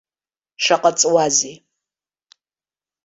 Шаҟа ҵуазеи.